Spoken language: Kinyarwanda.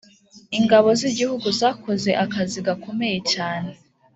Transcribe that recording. Ingabo z’igihugu zakoze akazi gakomeye cyane